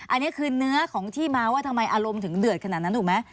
อันนี้คือเนื้อของที่มาว่าทำไมอารมณ์ถึงเดือดขนาดนั้นถูกไหม